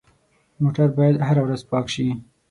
موټر باید هره ورځ پاک شي.